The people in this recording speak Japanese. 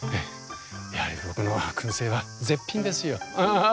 やはり僕の燻製は絶品ですよ。